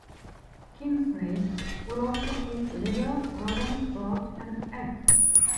Kingsnakes will also eat lizards, rodents, birds, and eggs.